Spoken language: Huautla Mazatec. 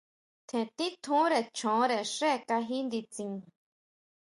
Tjen titjúnre choónre xé kají nditsin.